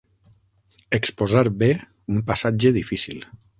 Exposar bé un passatge difícil.